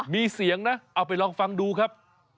มีเสียงนะเอาไปลองฟังดูครับ